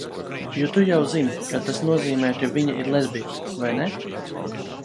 Jo tu jau zini, ka tas nozīmē, ka viņa ir lezbiete, vai ne?